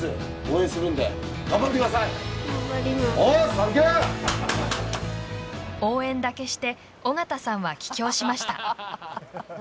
応援だけして尾形さんは帰京しました。